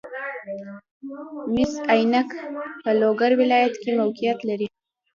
مس عینک په لوګر ولایت کې موقعیت لري